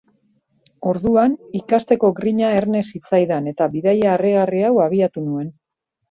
Orduan, ikasteko grina erne zitzaidan, eta bidaia harrigarri hau abiatu nuen.